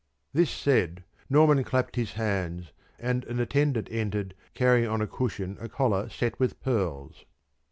This said, Norman clapped his hands, and an attendant entered carrying on a cushion a collar set with pearls.